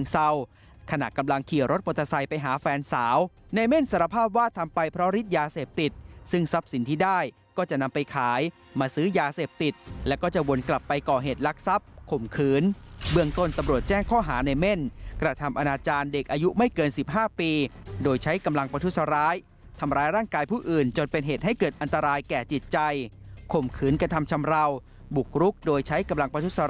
ติดตามประเด็นนี้จากรายงานค่ะ